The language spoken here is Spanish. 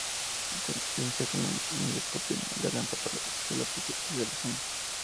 Le insertan un endoscopio en la garganta para localizar la procedencia de la sangre.